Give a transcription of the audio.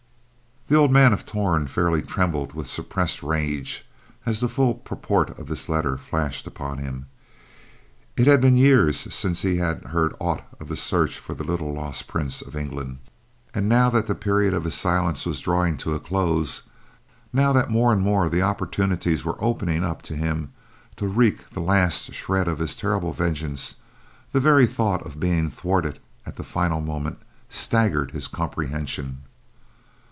The old man of Torn fairly trembled with suppressed rage as the full purport of this letter flashed upon him. It had been years since he had heard aught of the search for the little lost prince of England, and now that the period of his silence was drawing to a close, now that more and more often opportunities were opening up to him to wreak the last shred of his terrible vengeance, the very thought of being thwarted at the final moment staggered his comprehension.